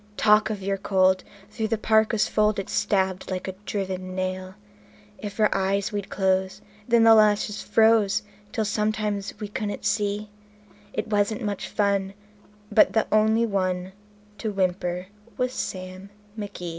Talk of your cold! through the parka's fold it stabbed like a driven nail. If our eyes we'd close, then the lashes froze till sometimes we couldn't see; It wasn't much fun, but the only one to whimper was Sam McGee.